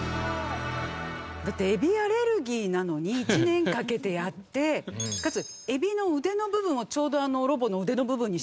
だって海老アレルギーなのに１年かけてやってかつ海老の腕の部分をちょうどあのロボの腕の部分にしたり。